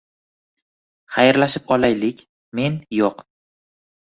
Xayrlashib olaylik. Men – yoʻq.